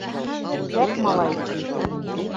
Шәп малай, ти.